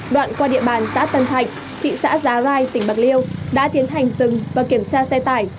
đoạn qua địa bàn xã tân thạnh thị xã giá rai tỉnh bạc liêu đã tiến hành dừng và kiểm tra xe tải